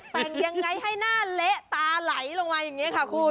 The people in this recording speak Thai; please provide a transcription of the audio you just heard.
แต่งยังไงให้หน้าเละตาไหลลงมาอย่างนี้ค่ะคุณ